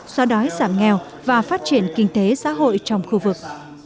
so đói giảm nghèo và phát triển kinh tế xã hội trong khu vực